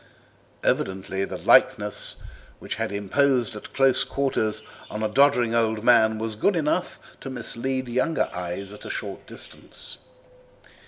Evidently the likeness which had imposed at close quarters on a doddering old man was good enough to mislead younger eyes at a short distance.